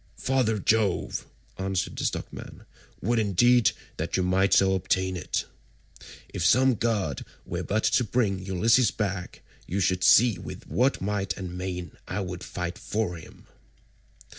"Father Jove," answered the stockman, "would indeed that you might so ordain it. If some god were but to bring Ulysses back, you should see with what might and main I would fight for him."